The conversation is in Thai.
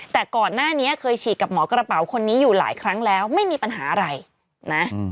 แต่ก่อนหน้านี้เคยฉีดกับหมอกระเป๋าคนนี้อยู่หลายครั้งแล้วไม่มีปัญหาอะไรนะ